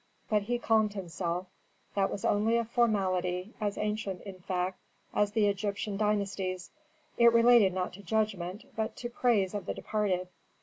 But he calmed himself; that was only a formality, as ancient, in fact, as the Egyptian dynasties. It related not to judgment, but to praise of the departed.